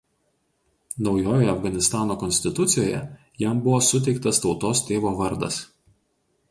Naujojoje Afganistano konstitucijoje jam buvo suteiktas „Tautos tėvo“ vardas.